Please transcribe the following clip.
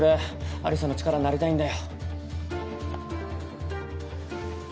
有沙の力になりたいんだよ。